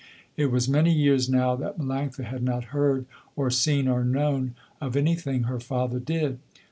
It was many years now that Melanctha had not heard or seen or known of anything her father did.